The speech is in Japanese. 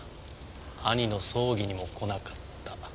兄の葬儀にも来なかった。